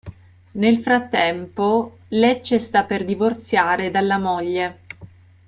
Nel frattempo, Lecce sta per divorziare dalla moglie.